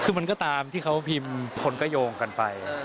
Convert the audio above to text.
คือมันก็ตามที่เขาพิมพ์คนก็โยงกันไป